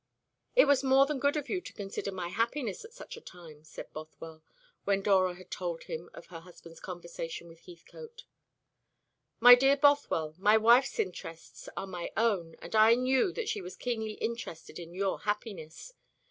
"It was more than good of you to consider my happiness at such a time," said Bothwell, when Dora had told him of her husband's conversation with Heathcote. "My dear Bothwell, my wife's interests are my own; and I knew that she was keenly interested in your happiness.